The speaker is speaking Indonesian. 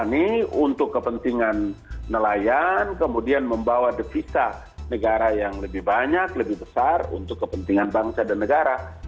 ini untuk kepentingan nelayan kemudian membawa devisa negara yang lebih banyak lebih besar untuk kepentingan bangsa dan negara